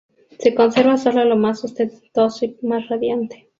Se conserva sólo lo más ostentoso y más radiante.